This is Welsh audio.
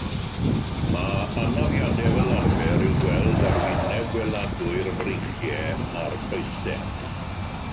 Mae anafiadau fel arfer i'w gweld ar wyneb gweladwy'r breichiau a'r coesau.